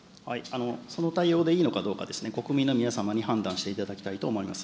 その対応でいいのかどうかですね、国民の皆様に判断していただきたいと思います。